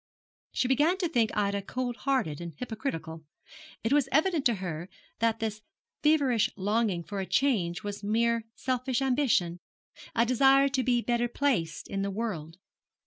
She began to think Ida cold hearted and hypocritical. It was evident to her that this feverish longing for change was mere selfish ambition, a desire to be better placed in the world.